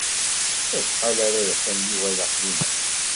Acḥal ara yeqqim Yuba daxel-inna?